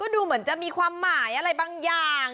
ดูเหมือนจะมีความหมายอะไรบางอย่าง